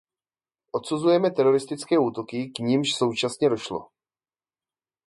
Odsuzujeme teroristické útoky, k nimž současně došlo.